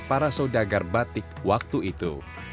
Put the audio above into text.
para saudagar batik waktu itu